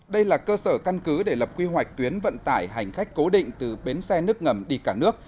đây là cơ sở căn cứ để lập quy hoạch tuyến vận tải hành khách cố định từ bến xe nước ngầm đi cả nước